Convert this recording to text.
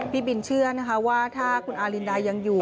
พี่บินเชื่อนะคะว่าถ้าคุณอารินดายังอยู่